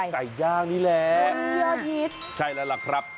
ไก่ย่างนี่แหละใช่แล้วล่ะครับ